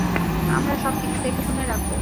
আমরা সবকিছু দেখেশুনে রাখব।